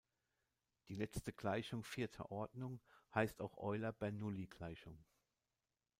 Die letzte Gleichung vierter Ordnung heißt auch Euler-Bernoulli-Gleichung.